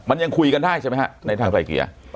มันยังคุยกันได้ใช่ไหมฮะในทางไกลเกลี่ย